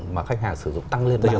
mà khách hàng sử dụng tăng lên